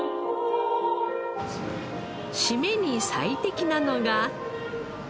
締めに最適なのが。